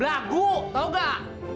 lah lah lah